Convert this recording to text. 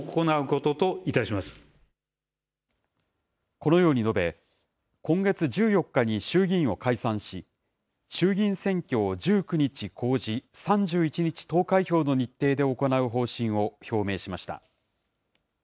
このように述べ、今月１４日に衆議院を解散し、衆議院選挙を１９日公示、３１日投開票の日程で行う方針を表明しました。